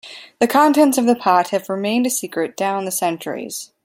The contents of the pot have remained a secret down the centuries.